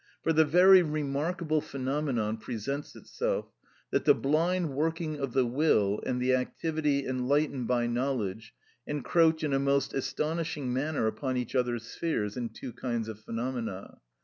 For the very remarkable phenomenon presents itself, that the blind working of the will and the activity enlightened by knowledge encroach in a most astonishing manner upon each other's spheres in two kinds of phenomena.